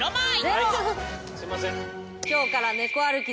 はいすいません。